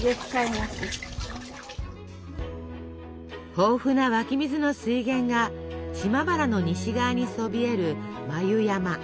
豊富な湧き水の水源が島原の西側にそびえる眉山。